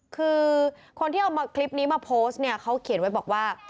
คือคนที่เอาคลิปนี้มาโพสต์เนี่ยเขาเขียนไว้บอกว่า